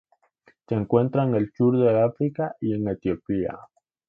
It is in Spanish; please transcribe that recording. Se encuentra en el sur de África y en Etiopía.